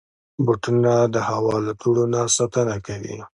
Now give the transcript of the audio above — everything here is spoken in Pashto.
بوټونه د هوا له دوړو نه ساتنه کوي.